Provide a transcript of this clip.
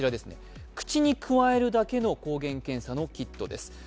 口にくわえるだけの抗原検査のキットです。